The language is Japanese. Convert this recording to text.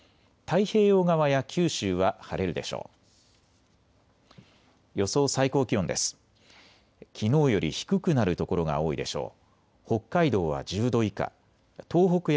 太平洋側や九州は晴れるでしょう。